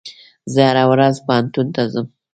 زه هره ورځ پوهنتون ته ځم.